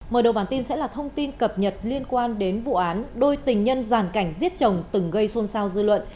mở đầu bản tin sẽ là thông tin cập nhật liên quan đến vụ án đôi tình nhân giàn cảnh giết chồng từng gây xôn xao dư luận